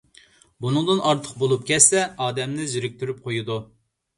بۇنىڭدىن ئارتۇق بولۇپ كەتسە ئادەمنى زېرىكتۈرۈپ قويىدۇ.